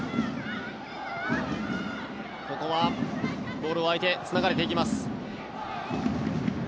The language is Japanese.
ここはボールを相手につながれていきます。